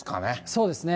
そうですね。